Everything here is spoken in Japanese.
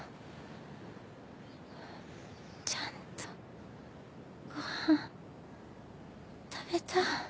ちゃんとご飯食べた？